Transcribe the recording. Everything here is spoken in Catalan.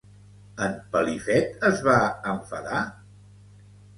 En Pelifet es va enfadar?